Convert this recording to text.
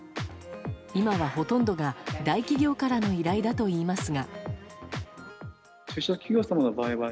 今は、ほとんどが大企業からの依頼だといいますが。